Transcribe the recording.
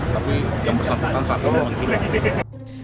tapi yang bersangkutan satu mencuma